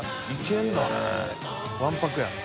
わんぱくやな。